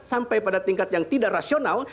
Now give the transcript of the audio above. sampai pada tingkat yang tidak rasional